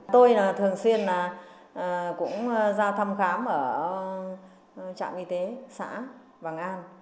tôi thường xuyên cũng ra thăm khám ở trạm y tế xã bằng an